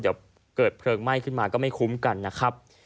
เดี๋ยวเกิดเพลิงไหม้ขึ้นมาก็ไม่คุ้มกันนะครับ